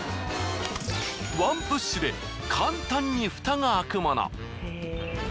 ワンプッシュで簡単にフタが開くもの。